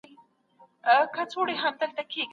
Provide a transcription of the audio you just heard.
آیا ټکنالوژي خلګ له یو بل لیرې کوي؟